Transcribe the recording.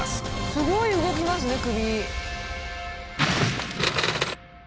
すごい動きますね首。